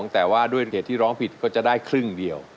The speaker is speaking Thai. แต่ว่าด้วยเหตุที่ร้องผิดก็จะได้ครึ่งเดียว